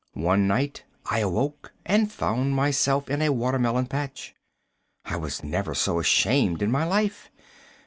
One night I awoke and found myself in a watermelon patch. I was never so ashamed in my life.